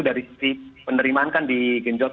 dari sisi penerimaan kan di genjot